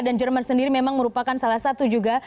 dan jerman sendiri memang merupakan salah satu juga